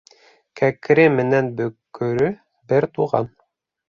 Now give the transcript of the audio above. Кәкере менән бөкөрө бер туған.